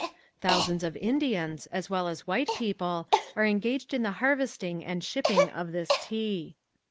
Thousands of Indians, as well as white people, are engaged in the harvesting and shipping of this tea.